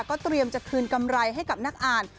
ก็เตรียมจะคืนกำไรให้กับนักอ่าน